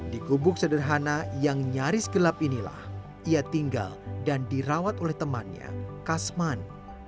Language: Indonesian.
di gubuk sederhana yang nyaris gelap inilah ia tinggal dan dirawat oleh temannya kasman